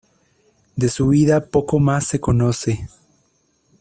De su vida poco más se conoce.